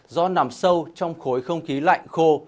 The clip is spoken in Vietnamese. do nằm sâu trong khối không khí lạnh khô